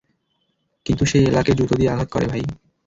কিন্তু সে এলাকে জুতো দিয়ে আঘাত করে, ভাই।